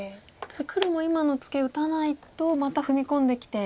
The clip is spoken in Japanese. ただ黒も今のツケ打たないとまた踏み込んできて。